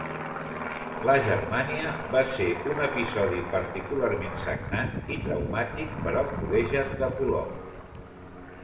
La Germania va ser un episodi particularment sagnant i traumàtic per als mudèjars de Polop.